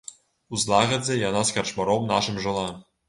У злагадзе яна з карчмаром нашым жыла.